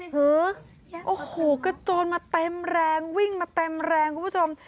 โอ้โหกระโจนมาเต็มแรงวิ่งมาเต็มแรงคุณผู้ชม